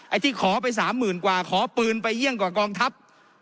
ไอ้ที่ขอไป๓หมื่นกว่าขอปืนไปยิ่งกว่ากองทัพ